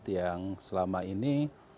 yang selama ini